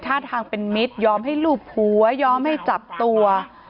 ท่าทางเป็นมิตรยอมให้ลูบหัวยอมให้จับตัว